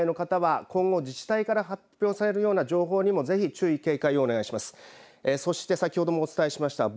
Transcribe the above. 川の近くにお住まいの方は今後、自治体から発表されるような情報にもぜひ注意、警戒をお願いします。